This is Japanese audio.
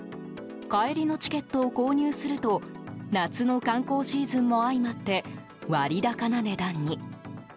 帰りのチケットを購入すると夏の観光シーズンも相まって割高な値段に。